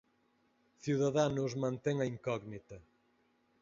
Ciudadanos mantén a incógnita.